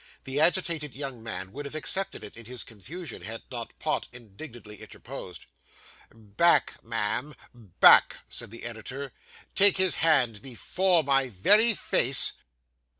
The agitated young man would have accepted it, in his confusion, had not Pott indignantly interposed. 'Back, ma'am back!' said the editor. 'Take his hand before my very face!